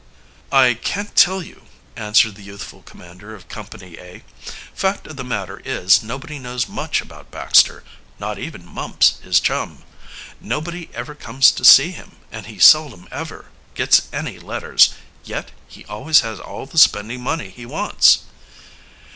"I can't tell you," answered the youthful commander of Company A. "Fact of the matter is nobody knows much about Baxter not even Mumps his chum. Nobody ever comes to see him, and he seldom ever gets any letters, yet he always has all the spending money he wants."